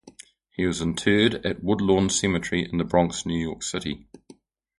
He was interred at Woodlawn Cemetery in The Bronx, New York City.